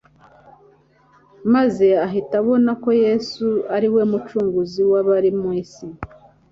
maze ahita abona ko Yesu ari we Mucunguzi w'abari mu isi.